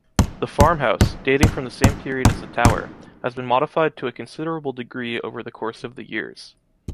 The farmhouse, dating from the same period as the tower, has been modified to a considerable degree over the course of the years.